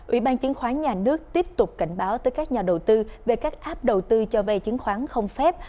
ủy ban chứng khoán nhà nước tiếp tục cảnh báo tới các nhà đầu tư về các app đầu tư cho vay chứng khoán không phép